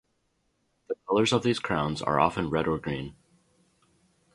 The colours of these crowns are often red or green.